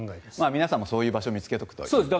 皆さんもそういう場所を見つけておくとというお話です。